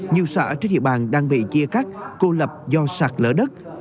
nhiều xã trên địa bàn đang bị chia cắt cô lập do sạt lỡ đất